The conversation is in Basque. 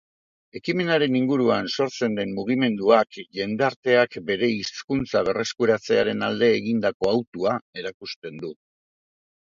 Ekimenaren inguruan sortzen den mugimenduak jendarteak bere hizkuntza berreskuratzearen alde egindako hautua erakusten du.